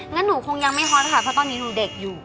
งั้นหนูคงยังไม่ฮอตค่ะเพราะตอนนี้หนูเด็กอยู่